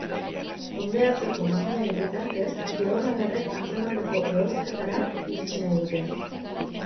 Hondeatzeko makinaren bitartez, georradarrek atzemandako ehorzketara iritsi nahi dute.